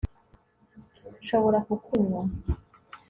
Nshobora kukunywa